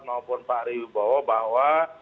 maupun pak eri wibowo bahwa